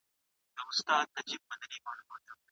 د جرګي غړو به د خلکو د ارامۍ لپاره خپلي هڅي نه سپمولې.